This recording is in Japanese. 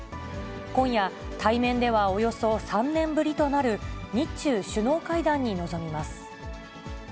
今夜、対面ではおよそ３年ぶりとなる、日中首脳会談に臨みます。